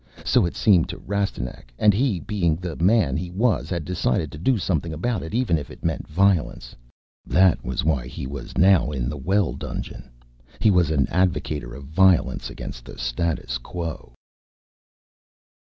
So it seemed to Rastignac. And he, being the man he was, had decided to do something about it even if it meant violence. That was why he was now in the well dungeon. He was an advocator of violence against the status quo.